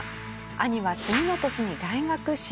兄は次の年に大学進学。